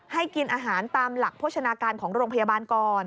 ให้กินอาหารตามหลักโภชนาการของโรงพยาบาลก่อน